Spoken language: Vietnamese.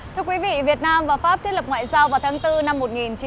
thưa quý vị việt nam và pháp thiết lập ngoại giao vào tháng bốn năm một nghìn chín trăm bảy mươi